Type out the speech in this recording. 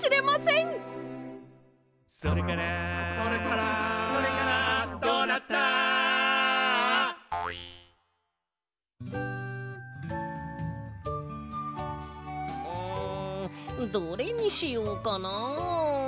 んどれにしようかな。